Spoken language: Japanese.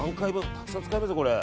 たくさん使えますよ、これ。